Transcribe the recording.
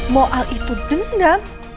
mau al itu dendam